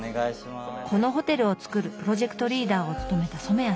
このホテルをつくるプロジェクトリーダーを務めた染谷さん。